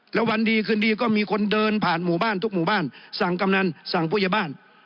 แล้ววันดีคืนดีก็มีคนเดินผ่านหมู่บ้านทุกหมู่บ้านสั่งกำนันสั่งผู้ใหญ่บ้าน